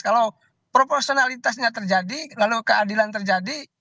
kalau proporsionalitasnya terjadi lalu keadilan terjadi